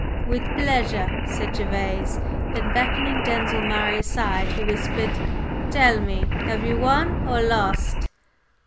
"With pleasure!" said Gervase; then, beckoning Denzil Murray aside, he whispered: "Tell me, have you won or lost?"